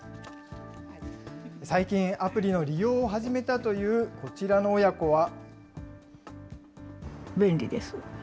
最近、アプリの利用を始めたというこちらの親子は。